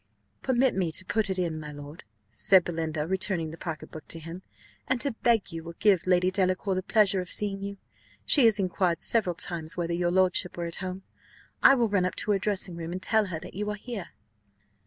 "Permit me to put it in, my lord," said Belinda, returning the pocket book to him, "and to beg you will give Lady Delacour the pleasure of seeing you: she has inquired several times whether your lordship were at home. I will run up to her dressing room, and tell her that you are here."